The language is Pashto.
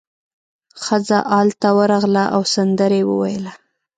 ښځه ال ته ورغله او سندره یې وویله.